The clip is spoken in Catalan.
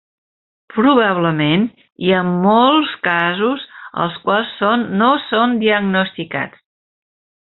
Probablement, hi ha molts casos els quals no són diagnosticats.